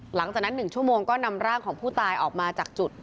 หลังจากนั้น๑ชั่วโมงก็นำร่างของผู้ตายออกมาจากจุด